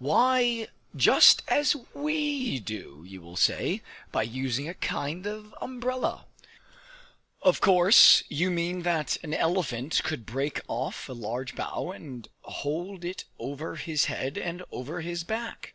Why, just as we do, you will say, by using a kind of umbrella! Of course you mean that an elephant could break off a large bough, and hold it over his head and over his back!